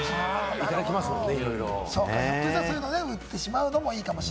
いただきますもんね。